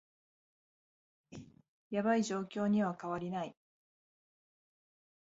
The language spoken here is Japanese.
ヤバい状況には変わりない